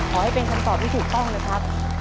ขอให้เป็นทางตอบที่ถูกป้องเลยครับ